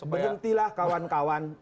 berhenti lah kawan kawan